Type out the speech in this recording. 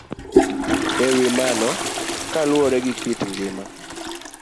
E wi mano, kaluwore gi kit ngima